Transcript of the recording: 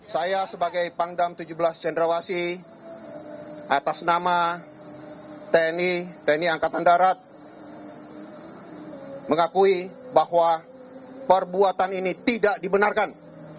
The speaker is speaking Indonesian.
saya sebagai pangdam tujuh belas cendrawasi atas nama tni angkatan darat mengakui bahwa perbuatan ini tidak dibenarkan